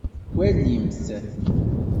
Walimt.